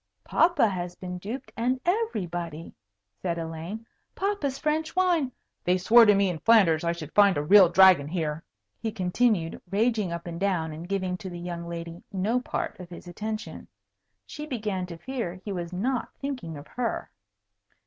"Papa has been duped, and everybody," said Elaine. "Papa's French wine " "They swore to me in Flanders I should find a real dragon here," he continued, raging up and down, and giving to the young lady no part of his attention. She began to fear he was not thinking of her.